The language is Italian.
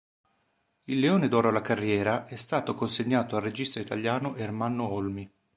Il Leone d'oro alla carriera è stato consegnato al regista italiano Ermanno Olmi.